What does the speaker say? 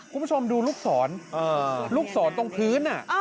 คุณผู้ชมดูลูกศรลูกศรตรงพื้น